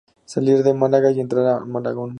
Salir de Málaga y entrar en Malagón